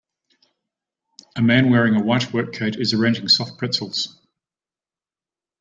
A man wearing a white work coat is arranging soft pretzels.